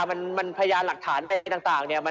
มันพยานหลักฐานต่างเนี่ย